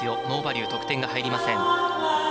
ノーバリュー得点が入りません。